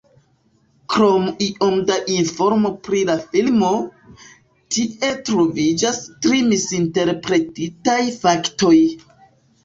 Krom iom da informo pri la filmo, tie troviĝas tri misinterpretitaj faktoj.